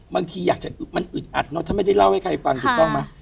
บางทีอยากจะมันอึดอัดเนอะถ้าไม่ได้เล่าให้ใครฟังถูกต้องไหม